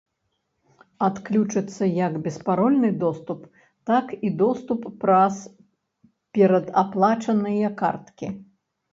Адключыцца як беспарольны доступ, так і доступ праз перадаплачаныя карткі.